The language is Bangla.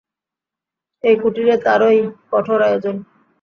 এই কুটিরে তারই কঠোর আয়োজন।